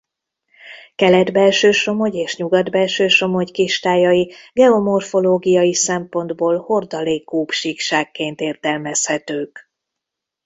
Kelet-Belső-Somogy és Nyugat-Belső-Somogy kistájai geomorfológiai szempontból hordalékkúp síkságként értelmezhetők.